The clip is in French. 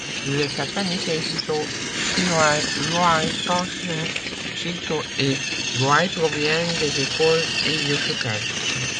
Les katas Ni-Sei-Shi-Sho, Shi-ho-hai, Loai, Tenshin, Chinto et Rohai proviennent des écoles et Yoshukai.